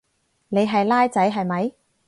你係孻仔係咪？